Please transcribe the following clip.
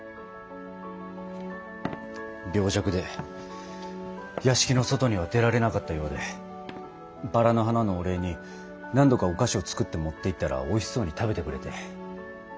病弱で屋敷の外には出られなかったようでバラの花のお礼に何度かお菓子を作って持って行ったらおいしそうに食べてくれて。